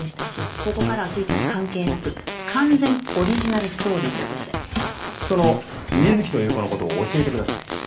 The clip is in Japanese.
ここからはすいちゃん関係なく完全オリジナルストーリーということでその瑞貴という子のことを教えてください